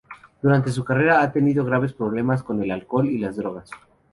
Durante su carrera ha tenido graves problemas con el alcohol y las drogas.